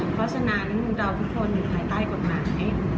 เพราะฉะนั้นมุมเตาที่ควรอยู่ภายใต้กฎหมาย